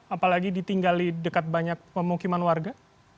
apalagi ditinggali dekat banyak pemukiman warga